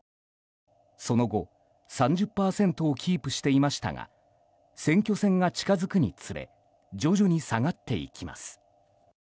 その後３０％をキープしていましたが選挙戦が近づくにつれ徐々に下がっていきます。